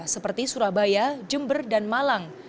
seperti surabaya jember dan malang